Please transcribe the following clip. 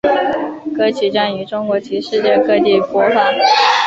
歌曲将于中国及世界各地播放。